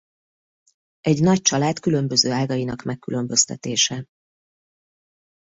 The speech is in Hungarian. Egy nagy család különböző ágainak megkülönböztetése.